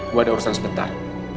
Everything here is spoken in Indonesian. gue ada urusan sebentar